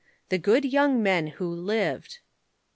THE GOOD YOUNG MEN WHO LIVED.